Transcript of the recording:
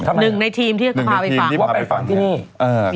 หนึ่งในทีมที่เขาพาไปฝังว่าเป็นฝังที่นี่